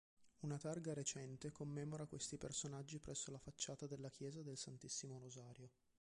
Una targa recente commemora questi personaggi presso la facciata della chiesa del Santissimo Rosario.